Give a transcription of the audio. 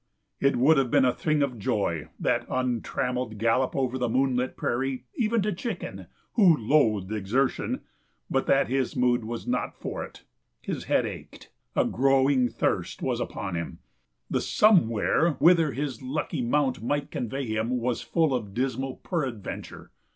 It would have been a thing of joy, that untrammelled gallop over the moonlit prairie, even to Chicken, who loathed exertion, but that his mood was not for it. His head ached; a growing thirst was upon him; the "somewhere" whither his lucky mount might convey him was full of dismal peradventure.